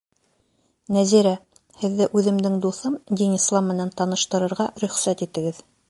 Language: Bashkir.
Нәзирә, һеҙҙе үҙемдең дуҫым Динислам менән таныштырырға рөхсәт итегеҙ